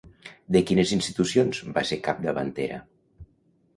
De quines institucions va ser capdavantera?